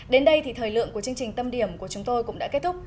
đến đây thì thời lượng của chương trình tâm điểm của chúng tôi cũng đã kết thúc